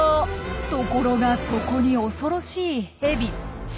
ところがそこに恐ろしいヘビ。